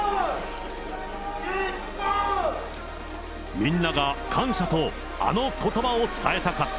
みんなが感謝とあのことばを伝えたかった。